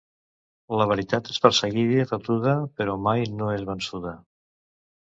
La veritat és perseguida i retuda, però mai no és vençuda.